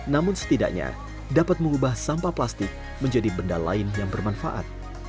namun setidaknya dapat mengubah sampah plastik menjadi benda lain yang bermanfaat